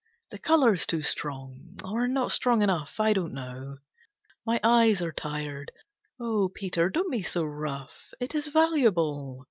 The colour's too strong, or not strong enough. I don't know. My eyes are tired. Oh, Peter, don't be so rough; it is valuable.